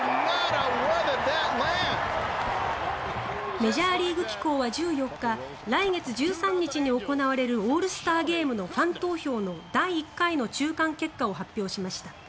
メジャーリーグ機構は１４日来月１３日に行われるオールスターゲームのファン投票の第１回の中間結果を発表しました。